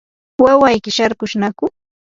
¿wawayki sharkushnaku?